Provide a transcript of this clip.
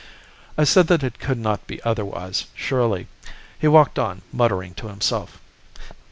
"I said that it could not be otherwise, surely. He walked on, muttering to himself.